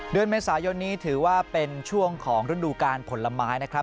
เดือนเมษายนนี้ถือว่าเป็นช่วงของฤดูการผลไม้นะครับ